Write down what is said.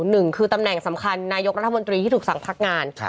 หนึ่งคือตำแหน่งสำคัญนายกรัฐมนตรีที่ถูกสั่งพักงาน